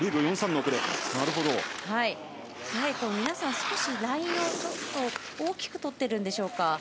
皆さん、少しラインを大きくとっているんでしょうか。